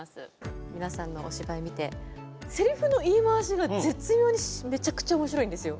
皆さんのお芝居見てせりふの言い回しが絶妙にめちゃくちゃ面白いんですよ。